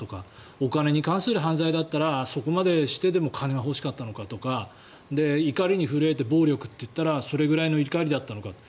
お金に関する犯罪だったらそこまでしてでも金が欲しかったのかとか怒りに震えて暴力といったらそれくらいの怒りだったのかと。